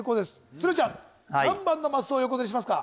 鶴ちゃん何番のマスを横取りしますか？